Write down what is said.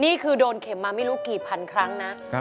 นี่คือโดนเข็มมาไม่รู้กี่พันครั้งนะ